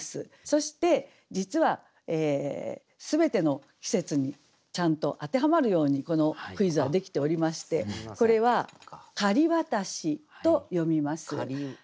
そして実は全ての季節にちゃんと当てはまるようにこのクイズはできておりましてこれは「雁渡し」と読みます。